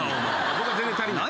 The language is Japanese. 僕は全然足りない。